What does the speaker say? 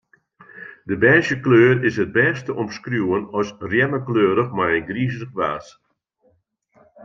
De bêzje kleur is it bêst te omskriuwen as rjemmekleurich mei in grizich waas.